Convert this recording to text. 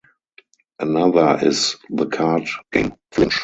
Another is the card game Flinch.